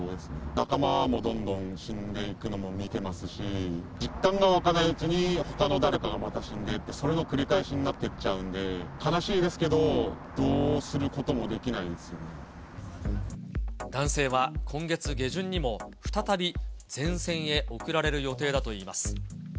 仲間もどんどん死んでいくのも見てますし、実感が湧かないうちにほかの誰かがまた死んでいって、それの繰り返しになっていっちゃうんで、悲しいですけど、男性は今月下旬にも、再び前線へ送られる予定だといいます。